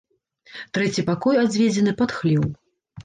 Трэці пакой адведзены пад хлеў.